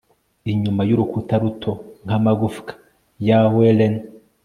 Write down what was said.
inyuma y'urukuta ruto nk'amagufwa ya wren